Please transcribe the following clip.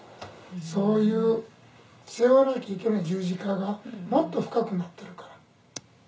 そういう背負わなきゃいけない十字架がもっと深くなってるから。